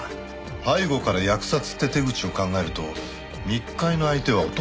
背後から扼殺って手口を考えると密会の相手は男ですかね？